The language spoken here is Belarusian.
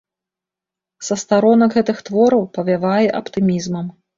Са старонак гэтых твораў павявае аптымізмам.